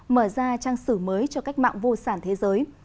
mở ra trang sử mới cho cách mạng vô sản thế giới